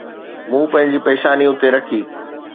مون پنهنجي پيشاني اتي رکي.